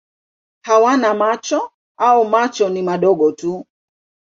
Hawana macho au macho ni madogo tu.